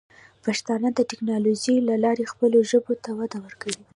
پښتانه د ټیکنالوجۍ له لارې خپلو ژبو ته وده ورکوي.